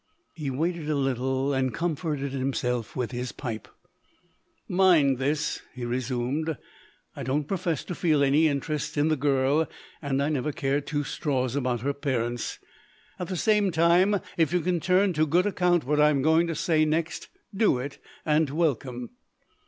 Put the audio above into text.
He waited a little, and comforted himself with his pipe. "Mind this," he resumed, "I don't profess to feel any interest in the girl; and I never cared two straws about her parents. At the same time, if you can turn to good account what I am going to say next do it, and welcome.